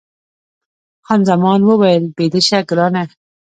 خان زمان وویل، بیده شه ګرانه.